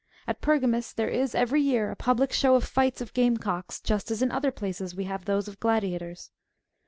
At Pergamus,^" there is every year a public show of fights of game cocks, just as in other places we have those of gladiators.